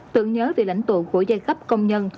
tưởng nhớ về lãnh tụ của giai cấp công nhân